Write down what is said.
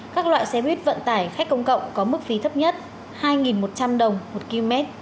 các loại xe buýt vận tải khách công cộng có mức phí thấp nhất hai một trăm linh đồng một km